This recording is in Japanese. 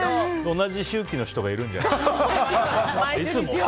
同じ周期の人がいるんじゃない。